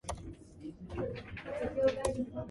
It was a troubled dream.